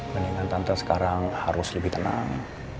mendingan tante sekarang harus lebih tenang